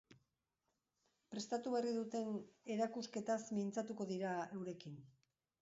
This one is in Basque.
Prestatu berri duten erakusketaz mintzatuko dira eurekin.